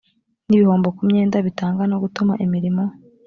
n ibihombo ku myenda bitanga no gutuma imirimo